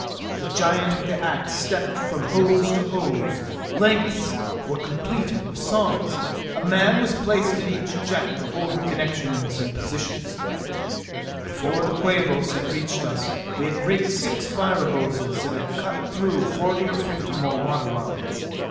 The giant with the ax stepped from hose to hose. Lengths were completed with the saws. A man was placed at each jet to hold the connections in position. Before the Quabos had reached us we had rigged six fire hoses and had cut through forty or fifty more water lines.